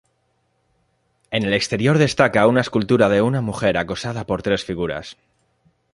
En el exterior destaca una escultura de una mujer acosada por tres figuras.